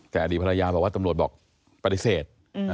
แต่อดีตภรรยาบอกว่าตำรวจบอกปฏิเสธ